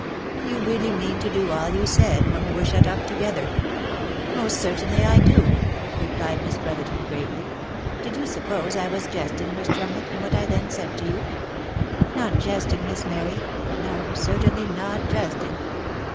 " You really mean to do all you said when we were shut up together?" " Most certainly I do," replied Miss Brotherton, gravely. " Did you suppose I was jesting, nurse Tremlett, in what I then said to you ?"" Not jesting, Miss Mary. — No, certainly, not jesting.